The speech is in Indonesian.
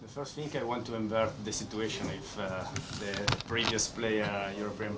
saya sangat berharap untuk mencapai target juara di tahun ini